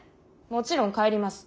もちろん帰ります。